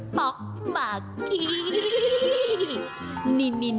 ป๊อกมากิ